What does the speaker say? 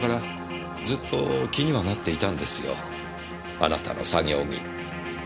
あなたの作業着。